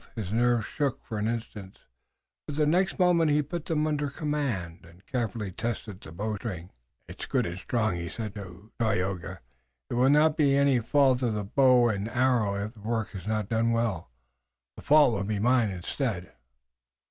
His nerves shook for an instant, but the next moment he put them under command, and carefully tested the bowstring. "It is good and strong," he said to Tayoga. "It will not be any fault of the bow and arrow if the work is not done well. The fault will be mine instead."